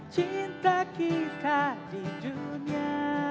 cinta kita di dunia